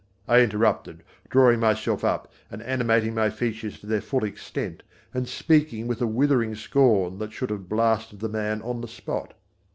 I interrupted, drawing myself up and animating my features to their full extent and speaking with a withering scorn that should have blasted the man on the spot.